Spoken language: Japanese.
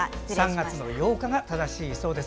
３月８日が正しいそうです。